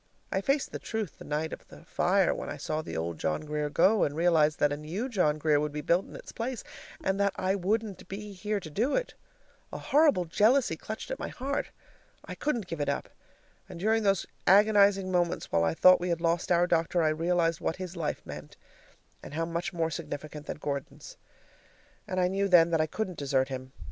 I faced the truth the night of the fire when I saw the old John Grier go, and realized that a new John Grier would be built in its place and that I wouldn't be here to do it. A horrible jealousy clutched at my heart. I couldn't give it up, and during those agonizing moments while I thought we had lost our doctor, I realized what his life meant, and how much more significant than Gordon's. And I knew then that I couldn't desert him.